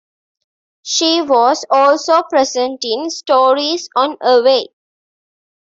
She was also presenting stories on Awaye!